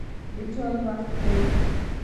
د چای وخت و.